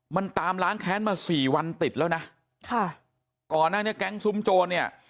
มันตามล้างแค้นมาสี่วันติดแล้วนะค่ะก่อนหน้านี้แก๊งซุ้มโจรเนี่ย